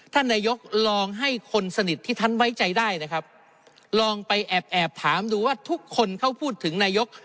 ท่านนายกลองให้คนสนิทที่ท่านไว้ใจได้นะครับลองไปแอบแอบถามดูว่าทุกคนเขาพูดถึงนายก